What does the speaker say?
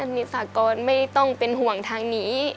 มีสากรไม่ต้องเป็นห่วงทางนี้